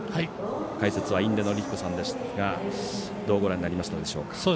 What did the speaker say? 解説は印出順彦さんですがどうご覧になりましたでしょうか。